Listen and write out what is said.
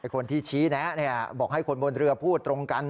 คนที่ชี้แนะบอกให้คนบนเรือพูดตรงกัน